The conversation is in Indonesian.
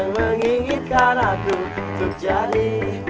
menginginkan aku untuk jadi